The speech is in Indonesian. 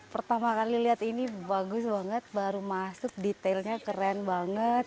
pertama kali lihat ini bagus banget baru masuk detailnya keren banget